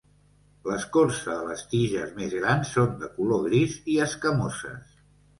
L'escorça de les tiges més grans són de color gris i escamoses.